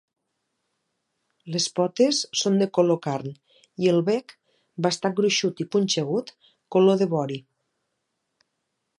Les potes són color carn i el bec, bastant gruixut i punxegut, color de vori.